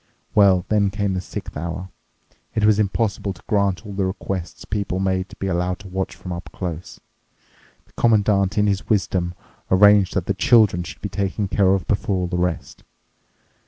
Well, then came the sixth hour. It was impossible to grant all the requests people made to be allowed to watch from up close. The Commandant, in his wisdom, arranged that the children should be taken care of before all the rest.